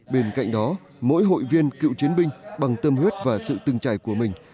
bên cạnh đó mỗi hội viên cựu chiến binh bằng tâm huyết và sự từng trải của mình